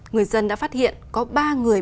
người dân đã phát hiện có ba người